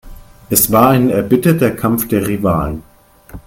Es war ein erbitterter Kampf der Rivalen.